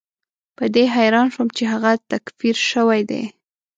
په دې حیران شوم چې هغه تکفیر شوی دی.